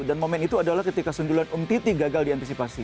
dan momen itu adalah ketika sundulan umpiti gagal diantisipasi